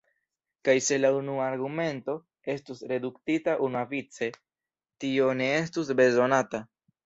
Kaj se la unua argumento estus reduktita unuavice, tio ne estus bezonata.